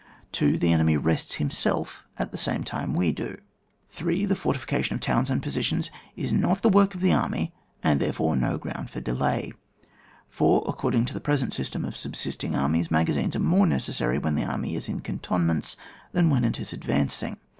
2. The enemy rests himself at the same time that we do. 3. The fortification of towns and posi tions is not the work of the army, and therefore no ground for any delay. 4. According to the present system of subsisting armies, magazines are more necessary when the army is in canton* ments, than when it is advancing.